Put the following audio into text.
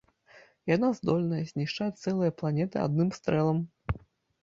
Яна здольная знішчаць цэлыя планеты адным стрэлам.